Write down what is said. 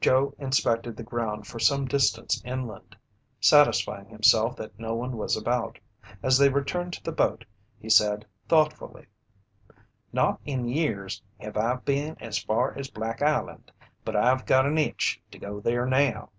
Joe inspected the ground for some distance inland, satisfying himself that no one was about. As they returned to the boat, he said thoughtfully: "Not in years heve I been as far as Black Island, but I've got an itch to go there now."